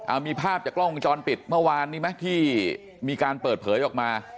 เอามีภาพจากกล้องวงจรปิดเมื่อวานนี้ไหมที่มีการเปิดเผยออกมา